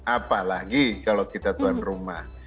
apalagi kalau kita tuan rumah